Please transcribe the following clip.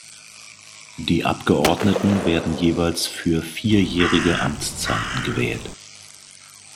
Die Abgeordneten werden jeweils für vierjährige Amtszeiten gewählt.